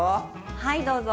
はいどうぞ！